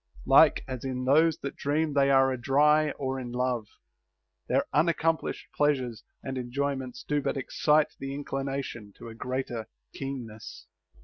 Like as in those that dream they are adry or in love, their unaccomplished pleasures and enjoyments do but excite the inclination to a greater keenness.